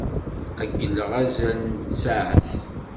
Qeyyleɣ azal n tsaɛet.